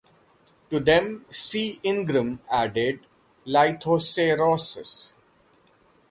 To them C. Ingram added "Lithocerasus".